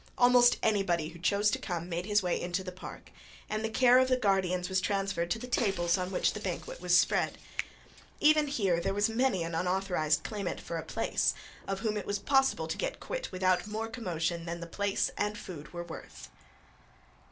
Almost anybody who chose to come made his way into the park, and the care of the guardians was transferred to the tables on which the banquet was spread. Even here there was many an unauthorized claimant for a plate, of whom it was impossible to get quit without some commotion than the place and food were worth.